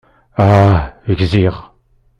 Ah, gziɣ.